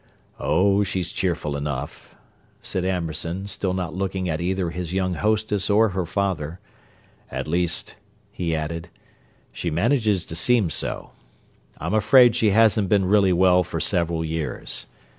"Oh, she's cheerful enough," said Amberson, still not looking at either his young hostess or her father. "At least," he added, "she manages to seem so. I'm afraid she hasn't been really well for several years.